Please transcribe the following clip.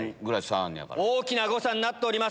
大きな誤差になっております。